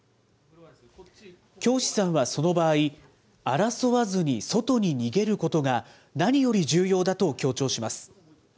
京師さんはその場合、争わずに外に逃げることが、何より重要だと強調します。